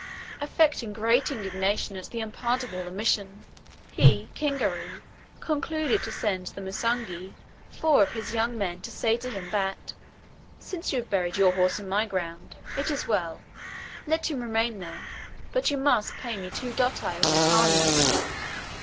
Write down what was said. Affecting great indignation at the unpardonable omission, he, Kingaru, concluded to send to the Musungu four of his young men to say to him that "since you have buried your horse in my ground, it is well; let him remain there; but you must pay me two doti of Merikani."